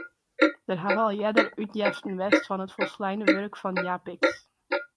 Der hawwe al earder útjeften west fan it folsleine wurk fan Japicx.